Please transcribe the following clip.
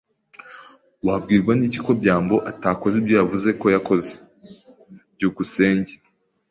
Wabwirwa n'iki ko byambo atakoze ibyo yavuze ko yakoze? byukusenge